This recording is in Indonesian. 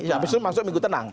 ya habis itu masuk minggu tenang